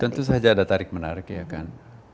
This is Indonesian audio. tentu saja ada tarik menarik ya kan